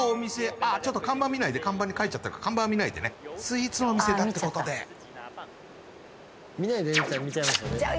あちょっと看板見ないで看板に書いちゃってるからスイーツのお店だってことで見ないで言うたら見ちゃいますよね